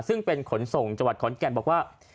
ซึ่งเป็นขนส่งจังหวัดขอนแก่นบอกว่า